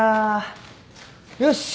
よし。